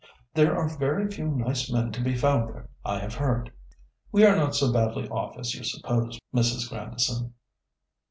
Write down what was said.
There are very few nice men to be found there, I have heard." "We are not so badly off as you suppose, Mrs. Grandison.